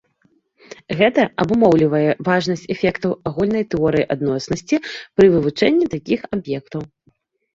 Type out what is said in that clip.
Гэта абумоўлівае важнасць эфектаў агульнай тэорыі адноснасці пры вывучэнні такіх аб'ектаў.